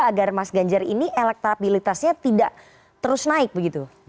agar mas ganjar ini elektabilitasnya tidak terus naik begitu